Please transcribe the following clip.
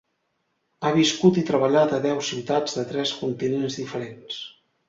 Ha viscut i treballat a deu ciutats de tres continents diferents.